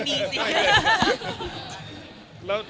ไม่เคยมีสิ